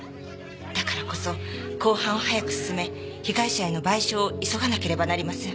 だからこそ公判を早く進め被害者への賠償を急がなければなりません。